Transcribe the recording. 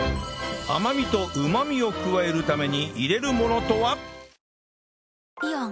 甘みとうまみを加えるために入れるものとは？